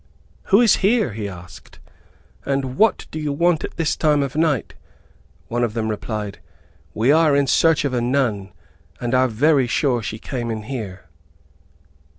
"Who is here?" he asked, "and what do you want this time of night?" One of them replied, "We are in search of a nun, and are very sure she came in here?"